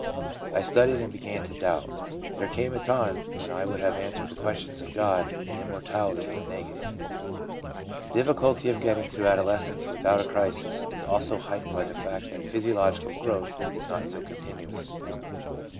I studied and began to doubt. There came a time when I would have answered the questions of God and immortality in the negative.' The difficulty of getting through adolescence with out a crisis is also heightened by the fact that physio logical growth is not continuous.